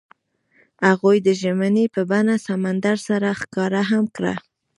هغوی د ژمنې په بڼه سمندر سره ښکاره هم کړه.